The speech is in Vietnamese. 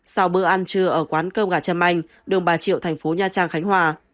sau bữa ăn trưa ở quán cơm gà trâm anh đường ba triệu thành phố nha trang khánh hòa